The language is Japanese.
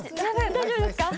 大丈夫ですか。